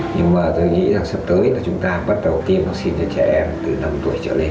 nhưng mà tôi nghĩ rằng sắp tới là chúng ta bắt đầu tiêm vaccine cho trẻ em từ năm tuổi trở lên